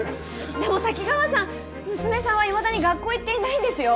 でも滝川さん娘さんはいまだに学校へ行っていないんですよ。